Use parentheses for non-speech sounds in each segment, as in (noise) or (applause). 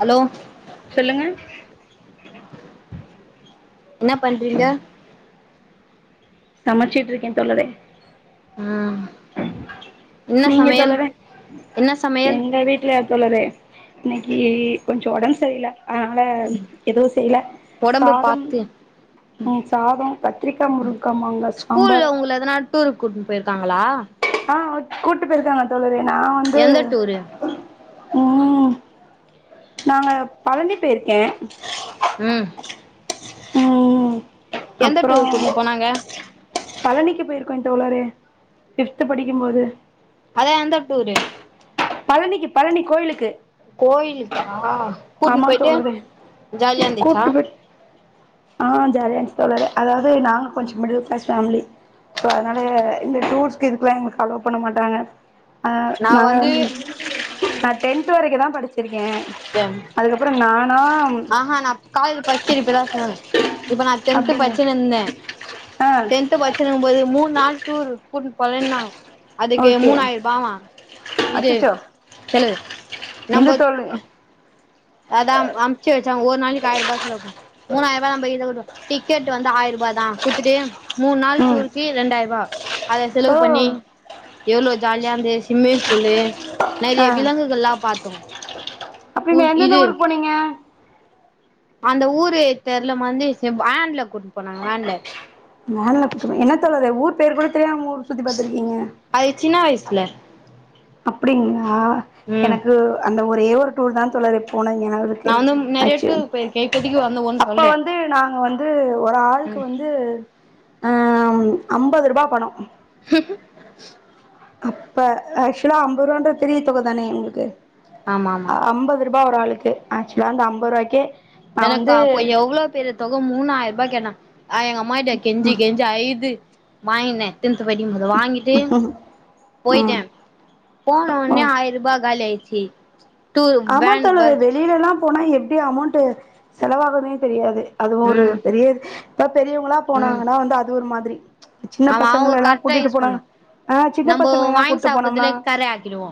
Hello சொல்லுங்க என்ன பண்றீங்க சமைச்சிட்ருக்கே தோழரே ம் என்ன நீங்க சமையல் தோழரே என்ன சமையல் எங்க வீட்ல தோழரே இன்னக்கி கொஞ்ச ஒடம்பு சரியில்ல அதனால எதுவு செய்ல ஒடம்பு சாதம் பாத்து ம் சாதோ கத்திரிக்கா முருங்க்கா மாங்கா சாம்பார் ஸ்கூல்ல உங்கள எதனா டூருக்கு கூட்னு போயிருக்காங்களா? ஆ கூட்டு போயிருக்காங்க தோழரே நா வந்து எந்த டூரு? ம் நாங்க பழனி போயிருக்கே ம் ம் எந்த அப்றோ டூருக்கு கூட்னு போனாங்க? பழனிக்கு போயிருக்கோ தோழரே ஃபிப்த் படிக்கும் போது அதா எந்த டூரு? பழனிக்கு பழனி கோயிலுக்கு கோயிலுக்கா கூட்னு ஆமா போயிட்டு தோழரே ஜாலியா இருந்திச்சா? கூட்டு போய் ஆ ஜாலியாஇருந்துச்சு தோழரே அதாவது நாங்க கொஞ்ச மிடில் கிளாஸ் ஃபேமிலி. சோ அதனால இந்த டூர்ஸ்க்கு இதுக்குல்லா எங்களுக்கு அலோவ் பண்ண மாட்டாங்க. ஆ நா நா டென்த்து வரைக்குதா படிச்சிரு க்கே அதுக்கப்புறோ நானா ஆஹா நா காலேஜ்ல ஃபஸ்ட் இயரு இப்பதா சேந்தே இப்ப நா டென்த்து அப்டிங்க பட்ச்சினு இருந்தே ஆ டென்த்து பட்ச்சினு இருக்கும் போது மூணு நாள் டூரு கூட்னு போறேனாங்க அதுக்கு ஓகே மூணாயர்ருபாவா இது அச்சச்சோ செலவு எந்த நம்போ தோழி அதாம் அம்ச்சு வச்சே ஒ ரு நாளைக்கி ஆயர்ருபா செலவு பண் மூணாயர்ருபா நம்பகிட்ட (unintelligible) அ டிக்கெட் வந்து ஆயர்ருபாதா குட்த்துட்டு மூணு நாள் ம் டூருக்கு ரெண்டாயர்ருவா அத ஓ செலவு பண்ணி எவ்ளோ ஜாலியா இருந்துது ஸ்விம்மிங் பூலு நறைய ஆ விலங்குகள்லா பாத்தோ புல் ந்தெந்த இது ஊருக்கு போனீங்க? அந்த ஊரு தெர்லமா வந்து செ வேன்ல கூட்டு போனாங்க வேன்ல வேன்ல கூட்டு போனாங்க என்ன தோழரே ஊர் பேர் கூட தெரியாம ஊர் சுத்தி பாத்துருக்கீங்க அது சின்ன வயசுல அப்டிங்ளா ஆ ம் எனக்கு அந்த ஒரே ஒரு டூர்தா தோழரே போனது நெனவு இருக்கு நா வந்து நெறைய ஆக்சலா டூர் போயிருக்கே இப்பதைக்கு வந்து ஒன்னு அப்போ சொல்றே வந்து நாங்க வந்து ஒரு ஆளுக்கு ம் வந்து அம் அம்பது ரூபா பணோ (unintelligible) அப்ப ஆக்சுவலா அம்பது ரூவான்றது பெரிய தொகைதானே உங்களுக்கு ஆமா ஆமா அ அம்பது ருபா ஒரு ஆளுக்கு க்கு ஆக்சுவலா அந்த அம்பது ரூபாய்க்கே நா எனக்கா வந்து அப்போ எவ்ளோ பெரிய தொக மூணாயர்ருபா கேட்டாங்க ஆ எங்க அம்மாகிட்ட கெஞ்சி கெஞ்சி அய்து வாங்கினே டென்த்து படிக்கும் போது வாங்கிட்டு போயிட்டே ம் போன உடனே ஓ ஆயர்ருபா காலி ஆயிச் சி ஆமா தோழரே வெளில எல்லா போனா எப்டி அமௌண்ட்டு செலவாகுதுனே தெரியாது அதுவு ஒரு ம் பெரிய இது ஆ பெரியவங்களா ம் போனாங்கன்னா வந்து அது ஒரு மாதிரி சின்ன ஆமா அவங்க பசங்கலெல்லா கரெக்டா கூட்டிட்டு யூஸ் பண்ண போனாங் ஆ சின்ன நம்ம பசங்கேய வாங்கி கூட்டிட்டு போனோம்னா சாப்பிடுறதுலே கரை ஆக்கிடுவோ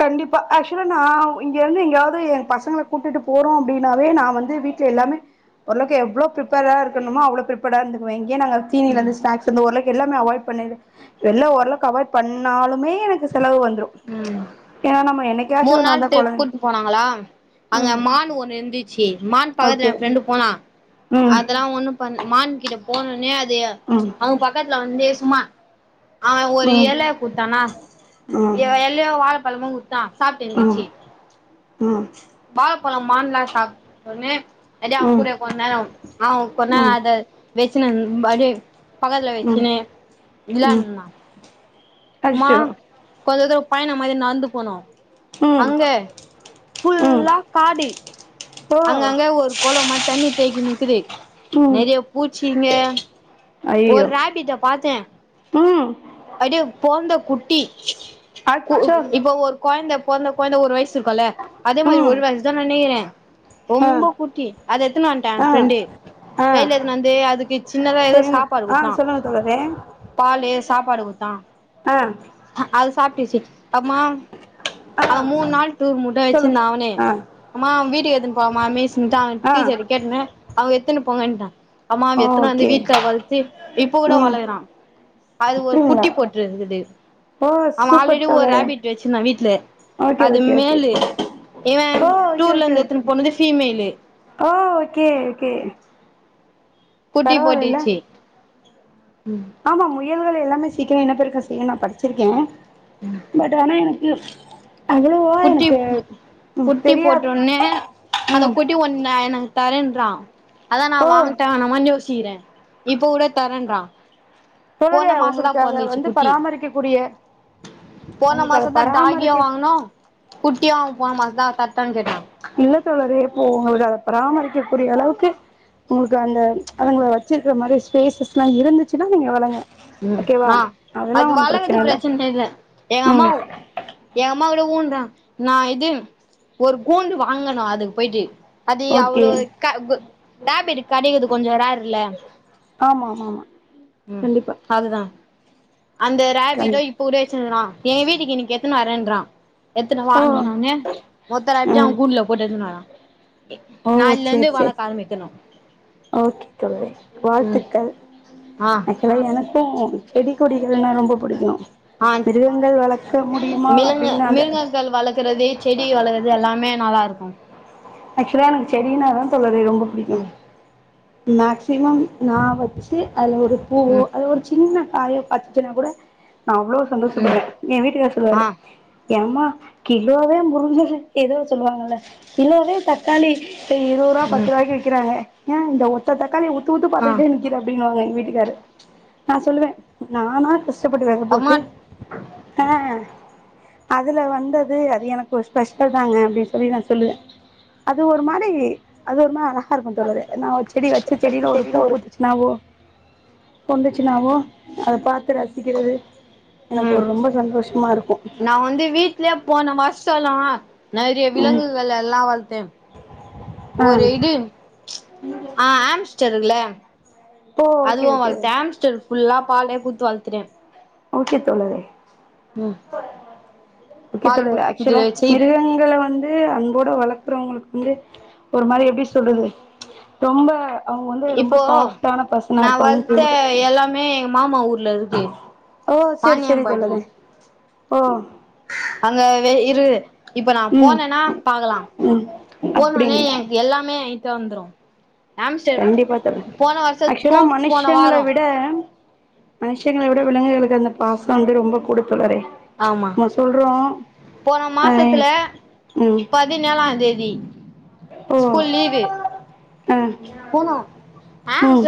கண்டிப்பா ஆக்ஷ் சுலா நா இங்க இருந்து எங்காவது எங்க பசங்கள கூட்டிட்டு போறோ அப்பிடின்னாவே நா வந்து வீட்ல எல்லாமே பொரளக்கு எவ்ளோ பிரிப்பேரா இருக்கணுமோ அவ்வளோ பிரிப்பேர்டா இருந்துக்குவே ஏ நாங்க ம் சீனிலந்து ஸ்னாக்ஸ்லந்து ஒருலக் எல்லாமே அவாய்ட் பண்ணது எல்லா ஓரளவுக்கு அவாய்ட் பண்ணாலுமே எனக்குஸ் செலவு வந்துரு ம் ஏன்னா நம்ப என்னைக் மூணு நாள் டிரிப் கூட்டு போனாங்களா அங்க ம் மான் ஒண்ணு இருந்துச்சி மான் பக்கத்துல ஓகே ஏ ஃப்ரெண்டு போனா ம் அதெல்லா ஒண்ணு பண் மான்கிட்ட போனொனே அது தயா ம் அவுங்க பக்கத் ல்ல வந்தே சும்மா ஆ ம் ஒரு ம் ஏழ கூத்தானா ம் இவ எல்யோ வா பழமுங்கு த்தா சாப்பிட்டு ம் இருந்துச்சி வாழபழம் மான்லா சாப்பிட்ன்னே அடியே அவுங்க ம் கூட கொந்நேரவு அவுங்க ம் கொன்நேரோ அத ம் வெச்சுன (unintelligible) பக்கத்துல வச்சுன்னே விளானுந்தா அர்ஷோ கொஞ்ச தூரோ பயணோ மாரி நந்து போனோ ம் அங்க ம் ஃபுல்லா காடு ஓ அங்கங்க ஒரு கொளம் மா தண்ணி தேக்கி நிக்குது ம் நெறைய பூச்சிங்க ஒரு ஐயோ ரெபிட்டோ பாத்தே ம் அடியோ போந்த குட்டி கு அச்சோ இப்ப ஒரு கொயந்த பொறந்த கொயந்த ஒரு வயசு ச்ருக்கல அதே மாரி ம் ஒரு வயசுதா நெனைக்கிறே ஆ ரொம்ப குட்டி அத எத்துனு வந்துட்டே ஆ ஃப்ரெண்டு ஆ கைல எத்துன வந்து அதுக்கு சின்னதா எதவு சரிங்க ஆ சாப்பாடுக்குத்தா சொல்லுங்க தோழரே பாலு சாப்பாடு குத்தா அ சாப்டிசி அம்மா ஆ அவ மூணு நாள் டூர் முட்டா சொல்லுங்க வச்சிருந்த அவனே ஆ அம்மா வீட்டுக்கு எத்து போவமா மேஸ்ன்ட்டு அவ ஆ டீச்சரு கேட்னு அவங்க எத்துணு போங்கன்ட்டா ஆமா அவ எத்துனு வந்து ஓகே வீட்ல வள்த்து இப்ப கூட ம் வளக்கறா அது ஒரு அப்டிங்களா குட்டி போட்ருந்துது ஓ அவ சூப்பர் ஆல்ரெடி ஒரு தோழரே ரேபிட் வச்சிருந்தா வீட்ல ஓகே அது ஓகே ஓகே மேலு இவே ஓ ஓகே டூர்ல ஓகே இருந்து எடுத்துனு ஓகே போனது ஃபீமேலு ஓ ஓகே ஓகே குட்டி பரவாயில்லல்ல போட்டுச்சு ஆமா மு யல்கள் எல்லாமே சீக்கிரோ இனப்பெருக்கோ செய்யுன்னு நா படிச்சிருக்கே பட் ஆனா எனக் எ குட்டி குட்டி போட்ட தெரியாது உட்னே அத ம் குட்டி ஒன்ன எனக்கு தரேன்றா அதா நா ஓ வாங்கட்டா வேணாமான் யோசிக்கிறே இப்ப கூட தரேன்றா தோழரே போன மாசந்தா உங்களுக்கு அத பொறந்துச்சு வந்து குட்டி பராமரிக்க கூடிய போன உங்களுக்கு அத மாசந்தா டாகியு பராமரிக்க வாங்குனோ குட்டியு அ வ மா அதா தரட்டானு கேட்டா ப்போ உங்களுக்கு அத பராமரிக்கக்கூடிய அளவுக்கு உங்களுக்கு அந்த அதுங்கள வச்சிருக்கிற மாரி ஸ்பேசஸ்லா இருந்துச்சுன்னா நீங்க வளங்க ம் ஓகேவா ஆ அது வளர்றது பிரச்சன இல்ல எங்க ம் அம்மாவ் எங்க அம்மாவோட ஊண் தா நா இது ஒரு கூண்டு வாங்குனோ அதுக்கு போயிட்டு அது ஓகே அவ்ளோ க கொ ரேபிட்டுக்கு கெடைக்கிறது கொஞ்சோ ரேர் இல்ல ஆமா ஆமா ஆமா ம் கண்டிப்பா அதுதா அந்த ரேபிட்டு கண் இப்ப கூட வச்சினு இருக்கறா ஏன் வீட்டுக்கு இன்னக்கி எட்த்துனு வரேன் றா எத்துனு ஓ வான்னவுன்னே ஒத்த (unintelligible) அவ ம் கூண்டுல போட்டு எடுத்துனு வரா ஓ நாள்ல சேரி இருந்து சேரி வழக்க ஆரம்பிக்கணு ஓகே தோழரே ம் வாழ்த்துக்கள் ஆ அப்றோ எனக் கு செடிகொடிகள்னா ரொம்ப புடிக்கு ஆ மிருகங்கள் வளக்க முடியுமா மிலங்க அப்டின்னு அந்த மிருகங்கள் வளக்கறது செடி வளக்கறது எல்லாமே நல்லா இருக்கு ஆக்சுவலா நமக்கு செடின்னாதா தோழர் வே ரொம்ப புடிக்கு ம் ன்னாக்ஸ் சிவம் நா வச்சி அதில ஒரு பூவோ ம் அத ஒரு சின்ன காயோ அச்சிச்சனா கூட நா அவ்ளோ ம் சந்தோஷப்படுவே ஏ வீட்டுக்கார் சொல்லுவாரு ஆ ஏம்மா கிலோவே முருங்க ஏதோ சொல்லுவாங்கல்ல கிலோவே தக்காளி இரு ரூவா பத்து ம் ரூவாய்க்கு விக்கிறாங்க ஏ இந்த ஒத்த தக்காளி உ உத்து உத்து ஆ பாத்ட்டே நிக்கிற அப்பிடின்னுவாங்க எங்க வீ க்கிகாரு நா சொல்லுவே நானாஸ் ச்சப்பட்டு வேக போட்டு அம்மா ஆ அதுல வந்தது அது எனக்கு ஒரு ஸ்பெஷல் தாங்க அப்பிடின் சொல்லி நா சொல்லுவே அது ஒரு மாரி அது ஒரு மா த்தாருக்கு தோழரே நா ஒரு செடி வச்ச செடியில ஒரு பூ பூத்துச்சுன்னாவோ பொண்டுச்சுனாவோ அத பாத்து ரசிக்கிறது எனக்கு ம் ஒரு ரொம்ப சந்தோஷமா இருக் நா வந்து வீட்லியே போன வாஸ் ச்சால்லு நெறைய ம் விலங்குகள் எல்லா வழத்தே ஆ ஒரு இடு ஆ ஆம்ஸ்டருகுல ஓ ஓகே அதுவு ஓகே வாழத ஆம்ஸ்டர் ஃபுல்லா பாலே கூடுத்து வளத்துட்டே ஓகே தோழரே ம் ஓகே பால் தோழரே அக்சுலா இதுல வச்சு மிருகங்கல வந் து அன்போட வளக்குறவங்களுக்கு வந்து ஒரு மாரி எப்பிடி சொல்றது ரொம்ப அவுங்க வந்து ரொம்ப இப்போ சாஃப்ட்டான பர்சனா நா இருப்பாங்கன்னு வளத்த கேள்விபட்டிருக்கே எல்லாமே எங்க மாமா ஊர் ஓ சேர் செரி தோழரே ஓ அங்க வே இரு இப்ப நா‌ ம் போனேன்னா பாக்கலா ம் போனோன்னே அப்டிங்களா எனக் எல்லாமே இ த்தாந்ரு கண்டிப்பா தோழி‌ ஆக்ச்வலா போன மனுஷங்ள வாரோ விட மனுஷங்கள விட விலங்குகளுக்கு அந்த பாசொ வந்து ரொம்ப குடு ஆமா போன ஆ மாசத்துல ம் பதினேழாந் தேதி ஓ ஸ்கூல் லீவு ஆ ம்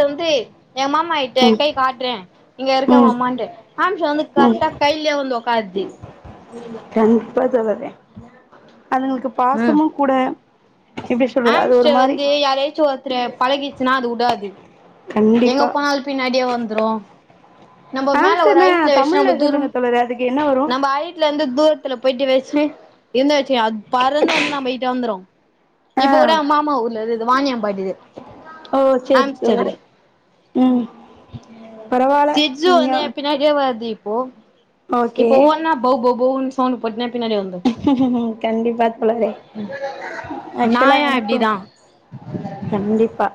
எ மாமா கிட்ட ம் கை காட்றே இங்க இருக்கெ ம் மாமான்ட்டு ஆம்ஸ்டர் வந்து ம் கரெக்டா கைலயே வந்து ஒக்காருது கண்டிப்பா தோழரே அதுங்ளுக்கு ம் பாசமு கூட எப்டி சொல்றது அது ஒரு ஆம்ஸ்டர் மாரி வந்து யாரயாச்சு ஒருத்தர பழகிருச்சுனா அது வுடாது எங்க கண்டிப்பா போனால் பின்னாடியே வந்துரு நம்ம மேல ஒரு ஹாம்ஸ்டர்னா‌ ஹைட்ல வச்சு தமிழ்ல நம்ம சொல்லுங்க தூரம் தோழரே அதுக்கு என்ன வரு நம்ம ஹைட்ல இருந்து தூரத்துல போயிட்டு வச்சே என்னா ச்சு அத் பறந்து வந்து நம்ம கிட்ட வந்துரு ஆ இப்போ கூட மாமா ஊர்ல இருந்துது வாணியம்பாடிது ஓ சேரி ஆம்ஸ்டரு தோழரே ம் பரவால்ல சிஜ்ஜு நீங்க ஒட்னே எ பின்னாடியே வருது இப் போ ஓகே இப்போ ஒவ்வொன்னா பௌ பௌ பௌன் சவுண்டு போட்னே கண்டிப்பா தோழரே ஆக்சுவலா நாயு எனக்கு அப்டிதா கண்டிப்பா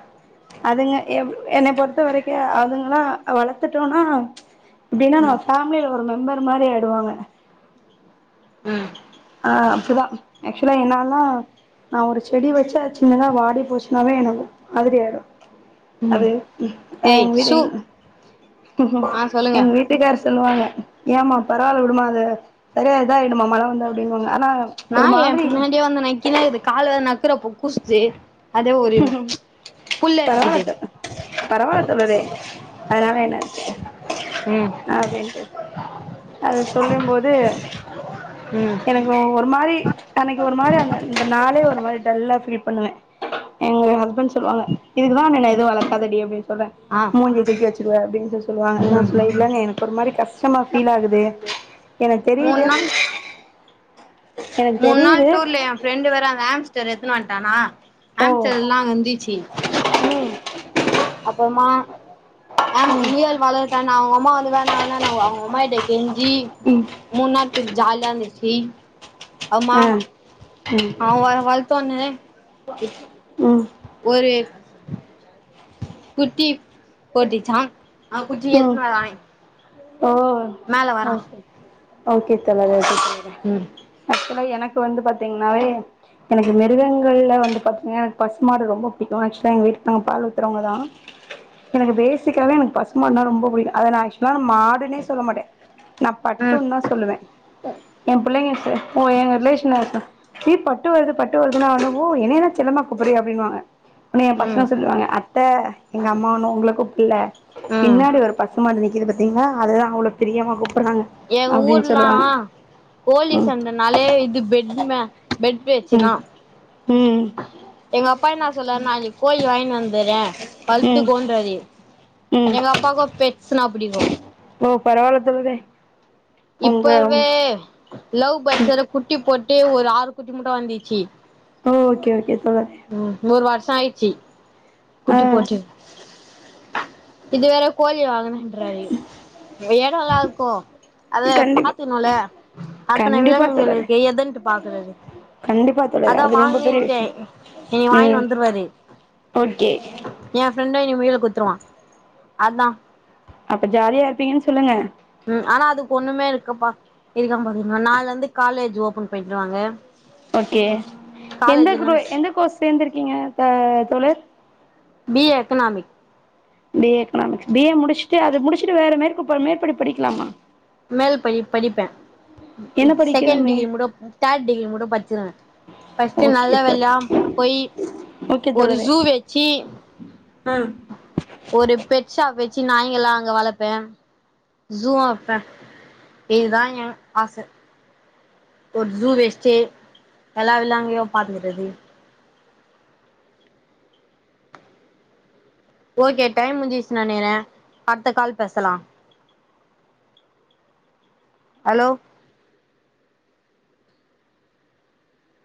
அதுங்க எ என்ன பொறு த்த வரைக்கு அதுங்லா வளத்துட்டோனா எப்பிடினா நம்ம ம் ஃபேமிலில ஒரு மெம்பர் ம் மாரி ஆய்டுவாங்க ம் ஆ அப்பிடிதா ஆக்சுவலா என்னல்லா நா ஒரு செடி வச்ச சின்னதா வாடி போச்சின்னாவே எனக்கு மாதிரி ஆயிடு ம் அது ஆ ஏய் எங்க வீட்டு சு ம்ம் ஆ சொல்லுங்க எங்க வீட்டுக்கார்ஸ் சொல்லுவாங்க ஏமா பரவாயிலவுடுமா அத சேரியா இத ஆயிடுமா மழ வந்தா செய்வாங்க நாய் ஏ பின்னாடியே வந்து நைக்கினேக்குது கால வேற நக் இக்குற குக்சு ஜே பரவால்ல தோ பரவாயில்ல தோழரே அதனால என்னருக்கு ம் அப்பிடின்ட்டு அது சொல்லு போது ம் எனக்கு ஒ ஒரு மாரி எனக்கு ஒரு மாரி அந்த அந்த நாளே ஒரு மாரி டல்லா ஃபீல் பண்ணுவே எங்க ஹஸ்பண்ட்ஸ் சொல்லுவாங்க இதுக்குதா உன்ன எது வளர்க்காதடி அப்பிடின் சொல்றே ஆ மூஞ்ச தூக்கி வச் எதுவா (unintelligible) சொல்லுவாங்க நா ம் சொல்ல இல்ங்க எனக்கு ஒரு மாரி கஷ்டமா ஃபீல் ஆகுது எனக்கு தெரியுது எனக்கு மூணு நாள் தெரியுது டூர்ல என் ஃப்ரெண்டு வற எத்தன வன்ட்டானா ஓ அமிச்சதெல்லாம் கந்திச்சி ம் அப்புறமா ஆ ம் முயல் வளதான அவங்க அம்மா வ இவாஅவனாங்க அவங்கம்மாிட்டே ஜி ம் முன்னா ஜாலி இருச்சு ஆவ ஆ ம் தோன்னே ம் ஒரு குட்டி போட்டிச்சான் ஆ குட்டி ம் எத்தன்னு வராங்க ஓ ஓகே ஓகே தலைவர் ம் ஆக்சுவலா எனக் எனக்கு வந்து பாத்தீங்கன்னாவே எனக்கு மிருகங்கள்ல வந்து பாத்தீங்கன்னா எனக்கு பசுமாடு ரொம்ப பிடிக்கும் ஆக்சுவலா எங்க வீட்காவுங்க பால் ஊத்துறவங்க தான் எனக்கு பேசிக்காவவே எனக்கு பசுமாடுனா ரொம்ப பிடிக்கும் அதை நான் ஆக்சுவலா நான் மாடுனே சொல்ல மாட்டேன் நான் ம் பட்டுன்னா சொல்லுவேன் என் பிள்ளைங்க ஓ எங்க ரிலேஷன் ஏய் பட்டு வருது பட்டு வருதுன்னு ஆடவும் என்னன்ன செல்லமா கூப்பிடுறியா அப்படின்னுவாங்க உன்ன என் பசங்க ம் சொல்லுவாங்க அத்தை எங்க அம்மா ஒன்னும் உங்கள கூப்பள்ள ம் பின்னாடி ஒரு பசுமாடு நிக்குது பா பின்ன அதுதான் அவ்ளோ பிரியமா கூப்டு எங்க ஊர்ல்லாம் கோழி ம் சண்டைனாலே இது பெட்ம பெட் ம் வெச்சுனா ம் பா என்ன சொல்லுவாருனா கோழி வாங்கிட்டு வந்தறேன் வளத்து ம் கோன்றாரு ம் எங்க அப்பாக்கு பெட்ஸ்னா புடிக்கும் ஓ பரவாயில்ல தோழரே உங்க ஓ இப்பவே லவ் பர்ட்ஸ் வேற குட்டி போட் டு ஒரு ஆறு குட்டி முட்டும் வந்துச்சு ஓகே ஓகே தோழரே சாய்ச்சி ஆ குட்டி போட்டு இது வேற கோழி வாங்கனும்ன்றாரு இதுவே நல்லாருக்கும் அத கண்டிப்பா பாத்துனும்ல அத்தன கண்டிப்பா விலங்குகள் தோழரே இருக்கு எதன்ட்டு பாக்குறது கண்டிப்பா தோழரே அதான் அது ரொம்ப பெரிய வாங்குன்டே விஷயம் இனி வாங்கின்னு ம் வந்துருவாரு ஓகே என் ஃப்ரெண்டு வெயில குத்ருவான் அதான் அப்ப ஜாலியாருப்பீங்கன்னு சொல்லுங்க ம் ஆனா அதுக்கு ஒன்னுமே இருக்கப்பா இருக்கான்பாரு நாள்லருந்து காலேஜ் ஓபன் பண்ருவாங்க ஓகே எந்த க்ரு எந்த கோஸ் சேந்திருக்கீங்க தோழர் B A economic B A economics B A முடிச்ட்டு அது முடிச்சுட்டு வேற மேற்க் மேற்படிப்பு படிக்கலாமா மேல்பயி படிப்பேன் என்ன செகண்ட் படிக்கிறமே டிகி முட தேர்ட் டிகிரி முடப் பச் ஃபர்ஸ்டு நல்ல ஓகே வேல்லாம் தோழர் போயி ஓகே ஒரு தோழரே ஜூ வச்சி ஆ ஒரு பெட்சா வெச் ச்சு நாயிங்கல்லா அங்க வளப்பே ஜூவு வப்பே இதுதா எ ஆச ஒரு ஜு வச்ட்டு எல்லாதுல அங்யே பாத்துகுறது ஓகே டைம் முஞ்சிச்சு நெனகிறே அட்த்த கால் பேசலா ஹலோ